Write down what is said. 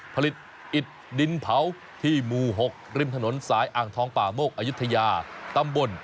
ผลิตอิดดินเผาที่หมู่๖ริมถนนสายอ่างทองป่าโมกอายุทยาตำบล